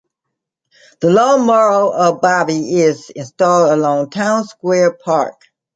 The long mural of Bobbie is installed along Town Square Park.